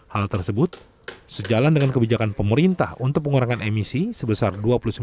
hal tersebut sejalan dengan kebijakan pemerintah untuk pengurangan emisi sebesar dua puluh sembilan